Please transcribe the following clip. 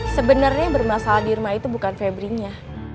sebenarnya yang bermasalah di rumah itu bukan feble nya